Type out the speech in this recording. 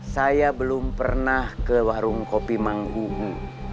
saya belum pernah ke warung kopi manggumu